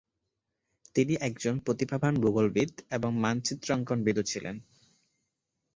তিনি একজন প্রতিভাবান ভূগোলবিদ এবং মানচিত্রাঙ্কনবিদও ছিলেন।